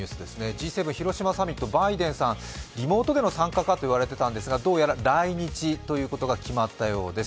Ｇ７広島サミット、バイデンさん、リモートでの参加かと言われていたんですがどうやら来日ということが決まったようです。